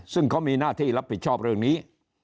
ซึ่งเขามีหน้าที่รับผิดชอบเรื่องนี้